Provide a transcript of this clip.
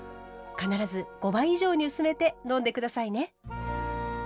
必ず５倍以上に薄めて飲んで下さいね。